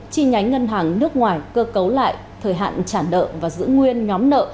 chi nhánh ngân hàng nước ngoài cơ cấu lại thời hạn trả nợ và giữ nguyên nhóm nợ